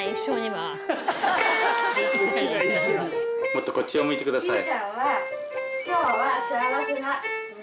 もっとこっちを向いてください。